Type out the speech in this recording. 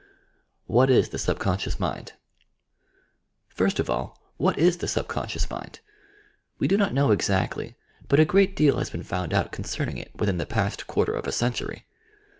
WHAT IS THE SUBC0N3CT0US MIND I First of all, what is the subconscious mind 1 We do not know exactly, but a great deal has been found out concerning it within the past quarter of a century.